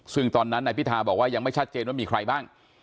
ซึ่งตอนนั้นนายพิธาบอกว่ายังไม่ชัดเจนว่ามีใครบ้าง